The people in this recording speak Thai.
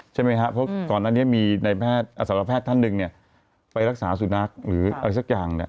ใช่ไหมครับเพราะก่อนอันนี้มีอัสละแพทย์ท่านหนึ่งไปรักษาสุนัขหรืออะไรสักอย่าง